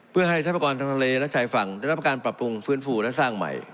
เพื่อให้ทรัพยากรทางทะเลและชายฝั่งได้รับการปรับปรุงฟื้นฟูและสร้างใหม่